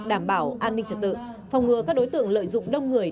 đảm bảo an ninh trật tự phòng ngừa các đối tượng lợi dụng đông người